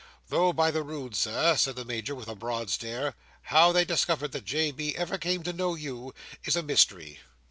Though, by the Rood, Sir," said the Major, with a broad stare, "how they discovered that J. B. ever came to know you, is a mystery!"